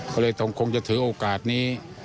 ก็เลยคงจะถือโอกาสนี้